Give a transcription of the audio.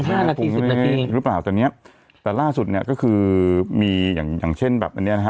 ห้านาทีสิบนาทีหรือเปล่าตอนเนี้ยแต่ล่าสุดเนี้ยก็คือมีอย่างอย่างเช่นแบบอันเนี้ยนะฮะ